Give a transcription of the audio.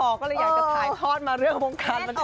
ในชีวิตมากพอก็เลยอยากจะถ่ายทอดมาเรื่องโปรงการมาเถิดมาก